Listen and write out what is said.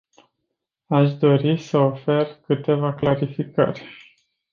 Aș dori să ofer câteva clarificări.